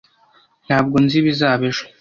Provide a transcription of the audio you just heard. Ntabwo nzi ibizaba ejo.